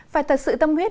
phải thật sự tâm huyết